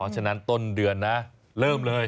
ฉะนั้นต้นเดือนนะเริ่มเลย